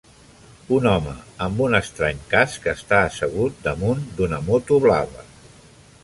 Un home amb un estrany casc està assegut damunt d'una moto blava.